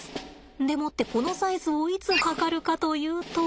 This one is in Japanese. でもってこのサイズをいつ測るかというと。